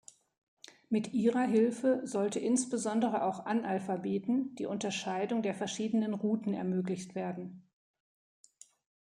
Mit ihrer Hilfe sollte insbesondere auch Analphabeten die Unterscheidung der verschiedenen Routen ermöglicht werden.